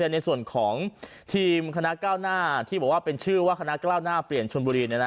ในส่วนของทีมคณะก้าวหน้าที่บอกว่าเป็นชื่อว่าคณะก้าวหน้าเปลี่ยนชนบุรี